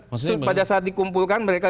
pada saat dikumpulkan mereka